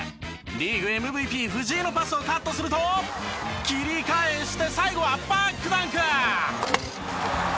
リーグＭＶＰ藤井のパスをカットすると切り返して最後はバックダンク！